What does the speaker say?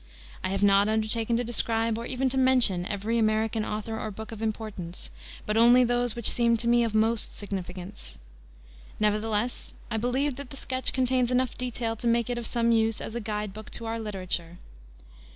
I have not undertaken to describe or even to mention every American author or book of importance, but only those which seemed to me of most significance. Nevertheless I believe that the sketch contains enough detail to make it of some use as a guide book to our literature.